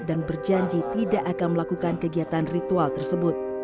dan berjanji tidak akan melakukan kegiatan ritual tersebut